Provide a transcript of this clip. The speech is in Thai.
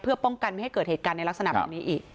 เพื่อป้องกันไม่ให้เกิดเหตุการณ์ในลักษณะแบบนี้อีก